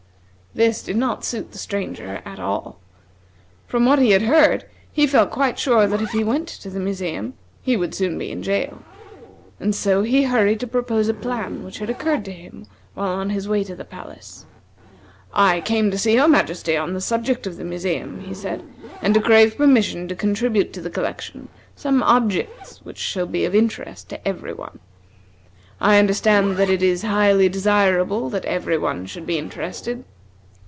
This did not suit the Stranger at all. From what he had heard he felt quite sure that if he went to the museum, he would soon be in jail; and so he hurried to propose a plan which had occurred to him while on his way to the palace. "I came to see your Majesty on the subject of the museum," he said, "and to crave permission to contribute to the collection some objects which shall be interesting to every one. I understand that it is highly desirable that every one should be interested."